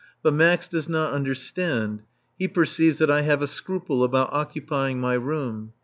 But Max does not understand. He perceives that I have a scruple about occupying my room.